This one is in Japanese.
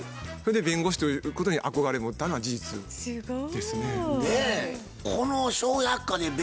それで弁護士ということに憧れ持ったのは事実ですね。